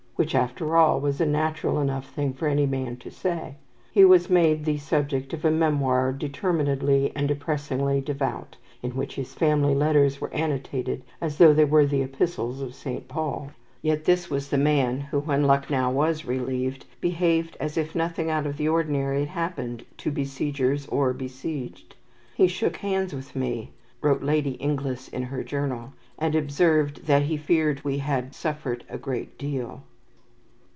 which, after all, was a natural enough thing for any man to say, he was made the subject of a memoir determinedly and depressingly devout, in which his family letters were annotated as though they were the epistles of Saint Paul. Yet this was the man who, when Lucknow was relieved, behaved as if nothing out of the ordinary had happened to besiegers or besieged. "He shook hands with me," wrote Lady Inglis in her journal, "and observed that he feared we had suffered a great deal."